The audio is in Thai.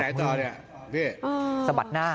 จะไปไหนต่อเนี่ยพี่สะบัดหน้า